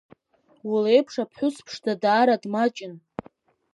Уи леиԥш аԥҳәыс ԥшӡа даара дмаҷын…